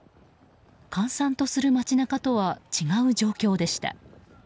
閑散とする街中とは違う状況でした。